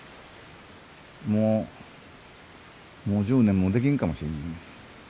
もうもう１０年もできんかもしんないね。